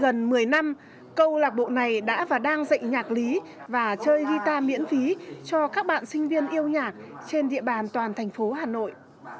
gần một mươi năm câu lạc bộ này đã và đang dạy nhạc lý và chơi guitar miễn phí cho các bạn sinh viên yêu nhạc trên địa bàn toàn thành phố hà nội